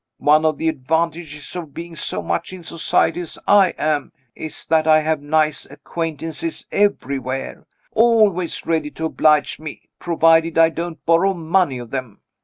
One of the advantages of being so much in society as I am is that I have nice acquaintances everywhere, always ready to oblige me, provided I don't borrow money of them.